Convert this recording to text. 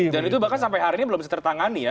dan itu bahkan sampai hari ini belum setertangani ya